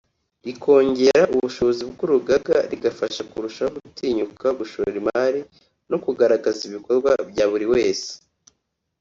rikongera ubushobozi bw’urugaga bigafasha kurushaho gutinyuka gushora imari no kugaragaza ibikorwa bya buri wese